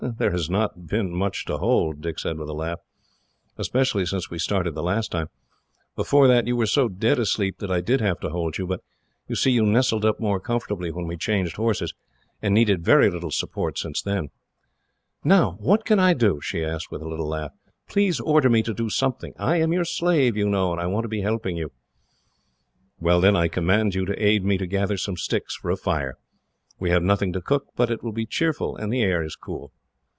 "There has not been much to hold," Dick said with a laugh, "especially since we started the last time. Before that, you were so dead asleep that I did have to hold you; but, you see, you nestled up more comfortably when we changed horses, and needed very little support since then." "Now, what can I do?" she asked, with a little laugh. "Please order me to do something. I am your slave, you know, and I want to be helping you." "Well, then, I command you to aid me to gather some sticks for a fire. We have nothing to cook, but it will be cheerful, and the air is cool."